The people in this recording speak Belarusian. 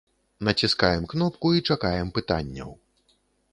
Націскаем кнопку і чакаем пытанняў.